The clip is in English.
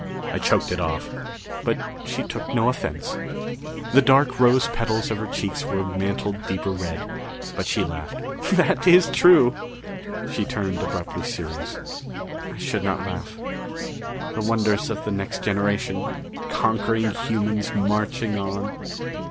I choked it off. But she took no offense. The dark rose petals of her cheeks were mantled deeper red, but she laughed. "That is true." She turned abruptly serious. "I should not laugh. The wonders of the next generation conquering humans marching on...."